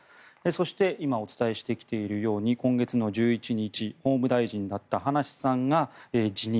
そして、今お伝えしてきているように今月１１日法務大臣だった葉梨さんが辞任